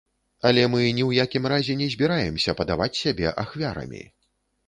Але мы ні ў якім разе не збіраемся падаваць сябе ахвярамі.